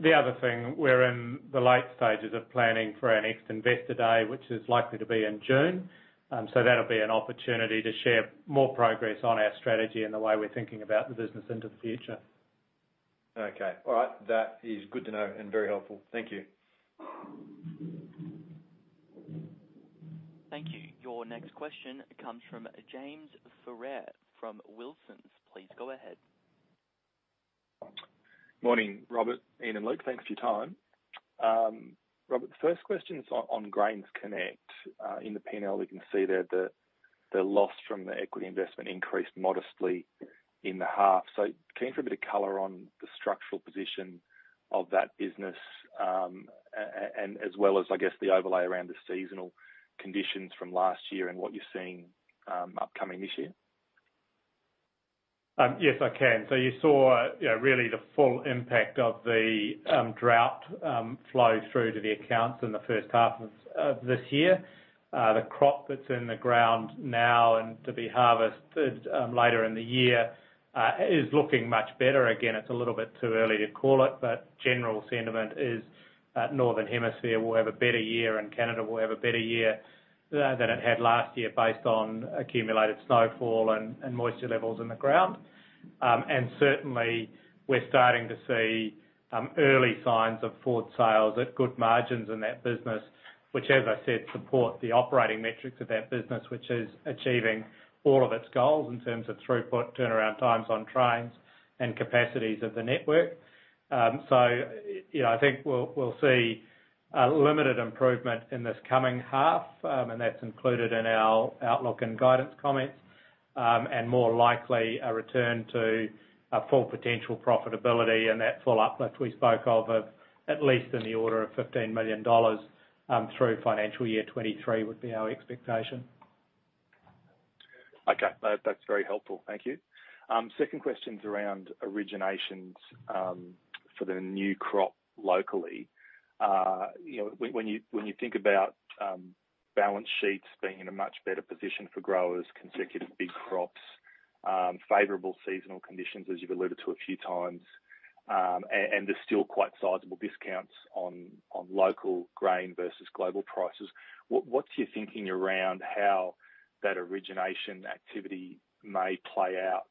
The other thing, we're in the late stages of planning for our next investor day, which is likely to be in June. That'll be an opportunity to share more progress on our strategy and the way we're thinking about the business into the future. Okay. All right. That is good to know and very helpful. Thank you. Thank you. Your next question comes from James Ferrier from Wilsons. Please go ahead. Morning, Robert, Ian, and Luke. Thanks for your time. Robert, the first question's on GrainsConnect. In the P&L, we can see there the loss from the equity investment increased modestly in the half. Can you give a bit of color on the structural position of that business, and as well as, I guess, the overlay around the seasonal conditions from last year and what you're seeing upcoming this year? Yes, I can. You saw really the full impact of the drought flow through to the accounts in the H1 of this year. The crop that's in the ground now and to be harvested later in the year is looking much better. Again, it's a little bit too early to call it, but general sentiment is that Northern Hemisphere will have a better year and Canada will have a better year than it had last year based on accumulated snowfall and moisture levels in the ground. Certainly we're starting to see early signs of forward sales at good margins in that business, which as I said, support the operating metrics of that business, which is achieving all of its goals in terms of throughput, turnaround times on trains, and capacities of the network. You know, I think we'll see a limited improvement in this coming half, and that's included in our outlook and guidance comments. More likely a return to a full potential profitability and that full uplift we spoke of at least in the order of 15 million dollars, through financial year 2023 would be our expectation. Okay. That's very helpful. Thank you. Second question's around originations for the new crop locally. You know, when you think about balance sheets being in a much better position for growers, consecutive big crops, favorable seasonal conditions, as you've alluded to a few times, and there's still quite sizable discounts on local grain versus global prices, what's your thinking around how that origination activity may play out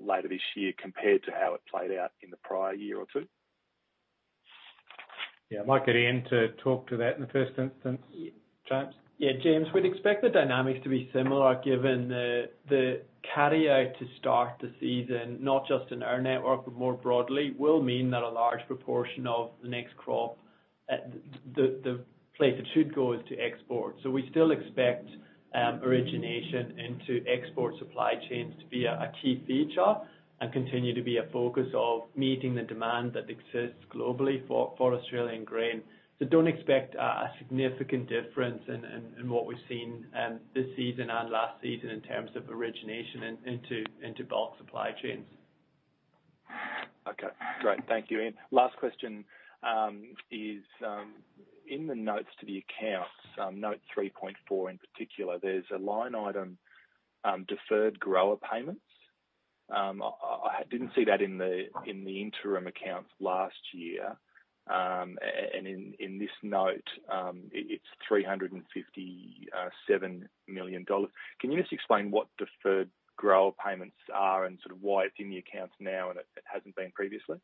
later this year compared to how it played out in the prior year or two? Yeah, I might get Ian to talk to that in the first instance. James? Yeah, James, we'd expect the dynamics to be similar given the carryout to start the season, not just in our network, but more broadly, will mean that a large proportion of the next crop, the place it should go is to export. We still expect origination into export supply chains to be a key feature and continue to be a focus of meeting the demand that exists globally for Australian grain. Don't expect a significant difference in what we've seen this season and last season in terms of origination into bulk supply chains. Okay, great. Thank you, Ian. Last question, in the notes to the accounts, note 3.4 in particular, there's a line item, Deferred Grower Payments. I didn't see that in the interim accounts last year. In this note, it's 357 million dollars. Can you just explain what Deferred Grower Payments are and sort of why it's in the accounts now and it hasn't been previously?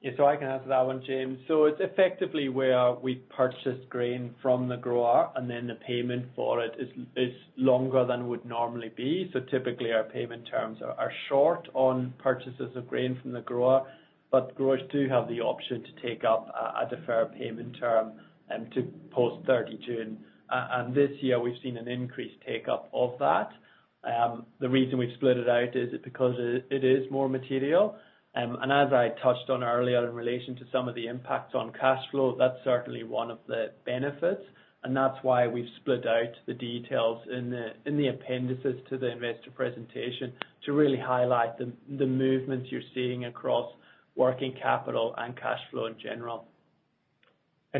Yeah, I can answer that one, James. It's effectively where we purchased grain from the grower, and then the payment for it is longer than would normally be. Typically, our payment terms are short on purchases of grain from the grower, but growers do have the option to take up a deferred payment term to post-30 June. And this year we've seen an increased take-up of that. The reason we've split it out is because it is more material. And as I touched on earlier in relation to some of the impacts on cash flow, that's certainly one of the benefits, and that's why we've split out the details in the appendices to the investor presentation to really highlight the movements you're seeing across working capital and cash flow in general.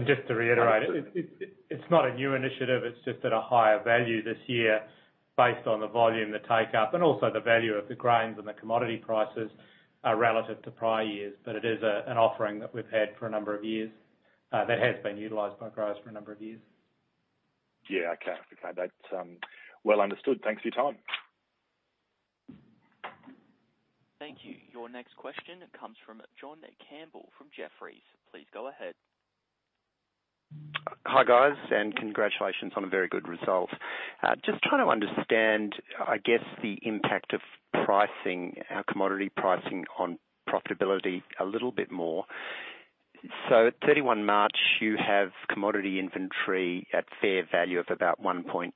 Just to reiterate, it's not a new initiative, it's just at a higher value this year based on the volume, the take-up, and also the value of the grains and the commodity prices, relative to prior years. It is an offering that we've had for a number of years, that has been utilized by growers for a number of years. Yeah, okay. Okay. That's well understood. Thanks for your time. Thank you. Your next question comes from John Campbell, from Jefferies. Please go ahead. Hi, guys, and congratulations on a very good result. Just trying to understand, I guess, the impact of pricing, commodity pricing on profitability a little bit more. At 31 March, you have commodity inventory at fair value of about 1.8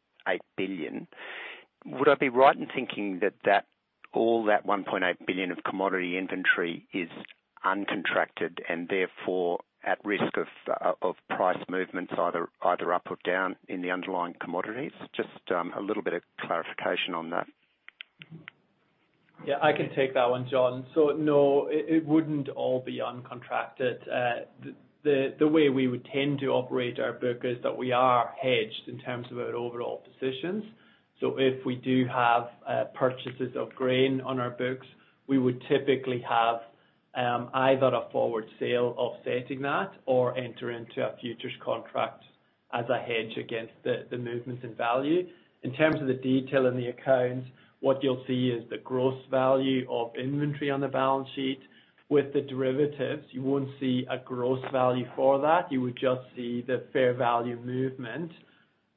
billion. Would I be right in thinking that all that 1.8 billion of commodity inventory is uncontracted and therefore at risk of price movements either up or down in the underlying commodities? A little bit of clarification on that. Yeah, I can take that one, John. No, it wouldn't all be uncontracted. The way we would tend to operate our book is that we are hedged in terms of our overall positions. If we do have purchases of grain on our books, we would typically have either a forward sale offsetting that or enter into a futures contract as a hedge against the movements in value. In terms of the detail in the accounts, what you'll see is the gross value of inventory on the balance sheet. With the derivatives, you won't see a gross value for that. You would just see the fair value movement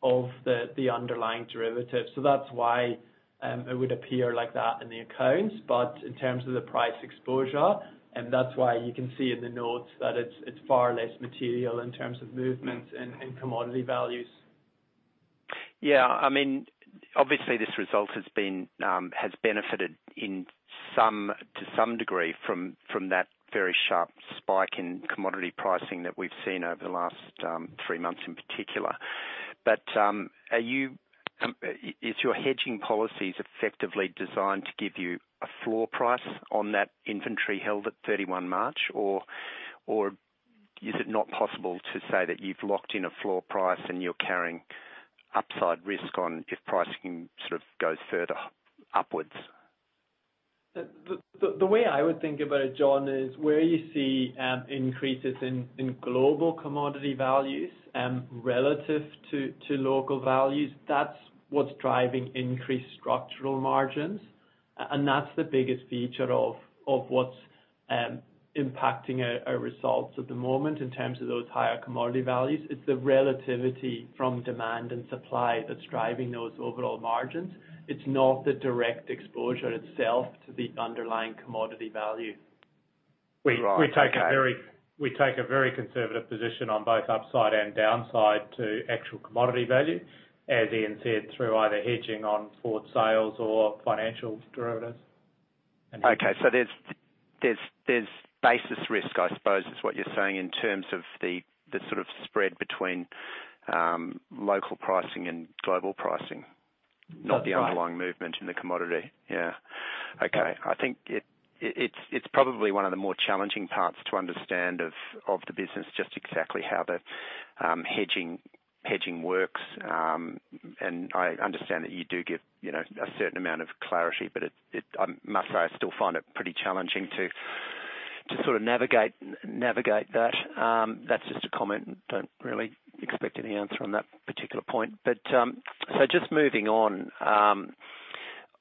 of the underlying derivatives. That's why it would appear like that in the accounts. In terms of the price exposure, and that's why you can see in the notes that it's far less material in terms of movements in commodity values. Yeah. I mean, obviously this result has benefited to some degree from that very sharp spike in commodity pricing that we've seen over the last three months in particular. Are you is your hedging policies effectively designed to give you a floor price on that inventory held at 31 March, or is it not possible to say that you've locked in a floor price and you're carrying upside risk on if pricing sort of goes further upwards? The way I would think about it, John, is where you see increases in global commodity values relative to local values. That's what's driving increased structural margins. That's the biggest feature of what's impacting our results at the moment in terms of those higher commodity values. It's the relativity from demand and supply that's driving those overall margins. It's not the direct exposure itself to the underlying commodity value. Right. Okay. We take a very conservative position on both upside and downside to actual commodity value, as Ian said, through either hedging on forward sales or financial derivatives. Okay, there's basis risk, I suppose is what you're saying, in terms of the sort of spread between local pricing and global pricing. That's right. Not the underlying movement in the commodity. Yeah. Okay. I think it's probably one of the more challenging parts to understand of the business, just exactly how the hedging works. And I understand that you do give a certain amount of clarity, but it. I must say, I still find it pretty challenging to sort of navigate that. That's just a comment. Don't really expect any answer on that particular point. But so just moving on,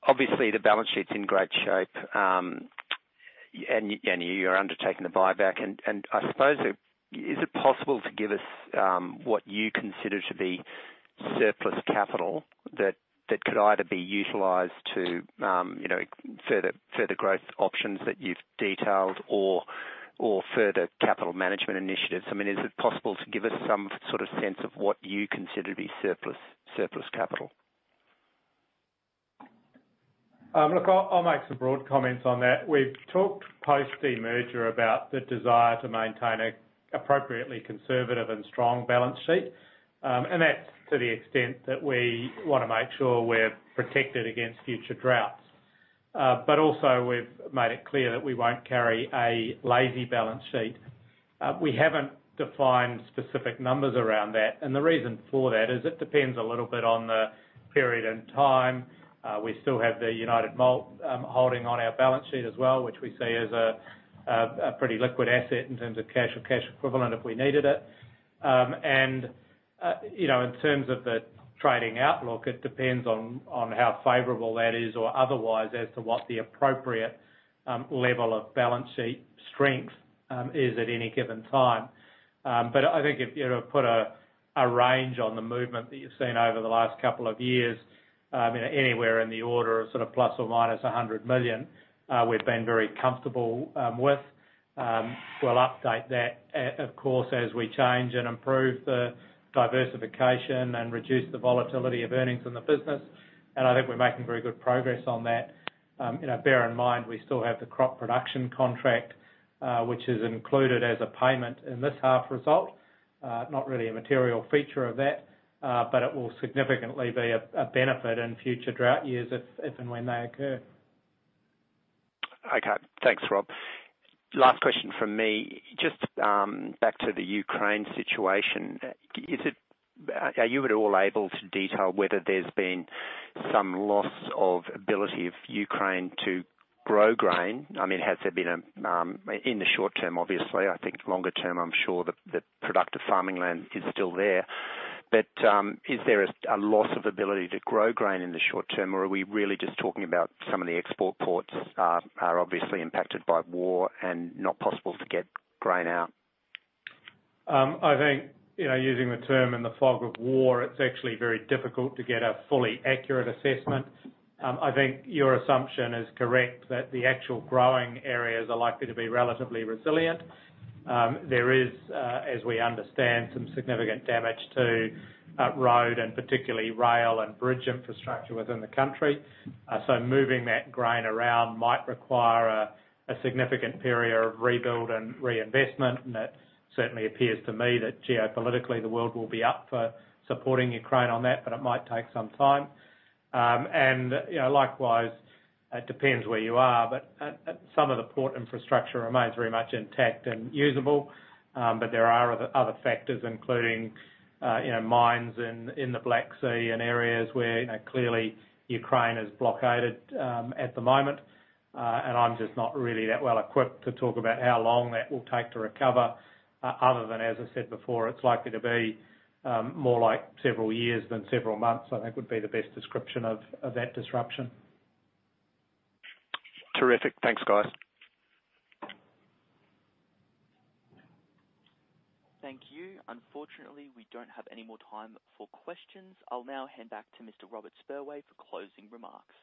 obviously the balance sheet's in great shape, and you're undertaking the buyback. And I suppose, is it possible to give us what you consider to be surplus capital that could either be utilized to further growth options that you've detailed or further capital management initiatives? I mean, is it possible to give us some sort of sense of what you consider to be surplus capital? Look, I'll make some broad comments on that. We've talked post-demerger about the desire to maintain an appropriately conservative and strong balance sheet. That's to the extent that we wanna make sure we're protected against future droughts. Also we've made it clear that we won't carry a lazy balance sheet. We haven't defined specific numbers around that, and the reason for that is it depends a little bit on the period and time. We still have the United Malt holding on our balance sheet as well, which we see as a pretty liquid asset in terms of cash or cash equivalent if we needed it. You know, in terms of the trading outlook, it depends on how favorable that is or otherwise as to what the appropriate level of balance sheet strength is at any given time. But I think if you were to put a range on the movement that you've seen over the last couple of year anywhere in the order of sort of ± 100 million, we've been very comfortable with. We'll update that, of course, as we change and improve the diversification and reduce the volatility of earnings in the business, and I think we're making very good progress on that. You know, bear in mind we still have the Crop Production Contract, which is included as a payment in this half result. Not really a material feature of that, but it will significantly be a benefit in future drought years if and when they occur. Okay. Thanks, Rob. Last question from me. Just back to the Ukraine situation. Are you at all able to detail whether there's been some loss of ability of Ukraine to grow grain? I mean, has there been in the short term, obviously, I think longer term, I'm sure the productive farming land is still there. But is there a loss of ability to grow grain in the short term, or are we really just talking about some of the export ports are obviously impacted by war and not possible to get grain out? I think using the term in the fog of war, it's actually very difficult to get a fully accurate assessment. I think your assumption is correct that the actual growing areas are likely to be relatively resilient. There is, as we understand, some significant damage to road and particularly rail and bridge infrastructure within the country. Moving that grain around might require a significant period of rebuild and reinvestment, and it certainly appears to me that geopolitically the world will be up for supporting Ukraine on that, but it might take some time. You know, likewise, it depends where you are, but some of the port infrastructure remains very much intact and usable, but there are other factors, including you know, mines in the Black Sea and areas where clearly Ukraine is blockaded at the moment. I'm just not really that well equipped to talk about how long that will take to recover, other than, as I said before, it's likely to be more like several years than several months. I think would be the best description of that disruption. Terrific. Thanks, guys. Thank you. Unfortunately, we don't have any more time for questions. I'll now hand back to Mr. Robert Spurway for closing remarks.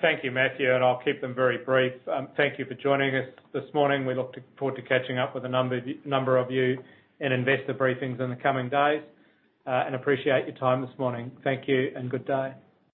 Thank you, Matthew, and I'll keep them very brief. Thank you for joining us this morning. We look forward to catching up with a number of you in investor briefings in the coming days, and appreciate your time this morning. Thank you and good day.